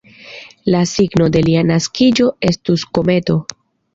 La signo de lia naskiĝo estus kometo.